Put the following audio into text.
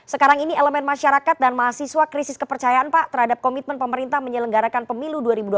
sekarang ini elemen masyarakat dan mahasiswa krisis kepercayaan pak terhadap komitmen pemerintah menyelenggarakan pemilu dua ribu dua puluh